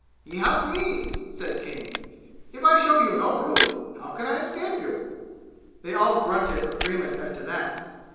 "Ye have me!" said King. "If I show you no proof, how can I escape you?" They all grunted agreement as to that.